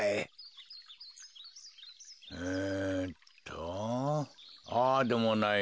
えっとああでもない